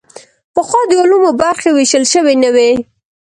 پخوا د علومو برخې ویشل شوې نه وې.